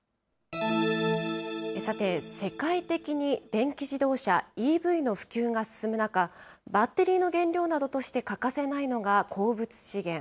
さて、世界的に電気自動車・ＥＶの普及が進む中、バッテリーの原料などとして欠かせないのが鉱物資源。